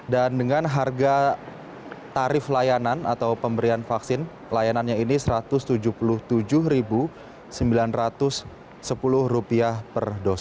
dan dengan harga tarif layanan atau pemberian vaksin layanannya ini rp satu ratus tujuh puluh tujuh sembilan ratus sepuluh